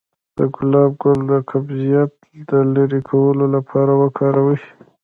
د ګلاب ګل د قبضیت د لرې کولو لپاره وکاروئ